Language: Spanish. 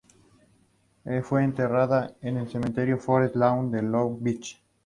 Fue enterrada en el Cementerio Forest Lawn de Long Beach.